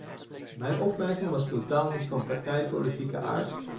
Mijn opmerking was totaal niet van partijpolitieke aard.